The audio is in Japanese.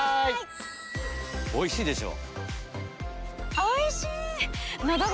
おいしいでしょ？